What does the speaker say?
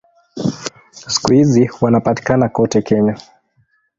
Siku hizi wanapatikana kote Kenya.